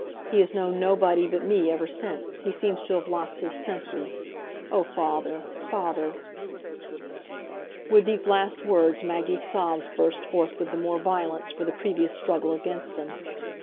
He has known nobody but me ever since—he seems to have lost his senses. O father, father——" With these last words, Maggie's sobs burst forth with the more violence for the previous struggle against them.